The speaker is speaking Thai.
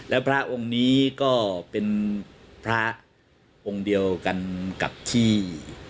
แล้วพระองค์นี้ก็เป็นพระองค์เดียวกันกับที่